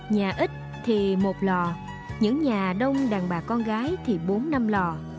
nhà ít thì một lò những nhà đông đàn bà con gái thì bốn năm lò